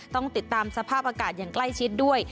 ต้องติดตามสภาพอากาศอย่างใกล้ชิดด้วย